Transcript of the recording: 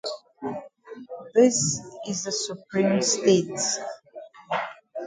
This is the supreme state.